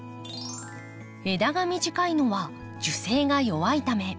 枝が短いのは樹勢が弱いため。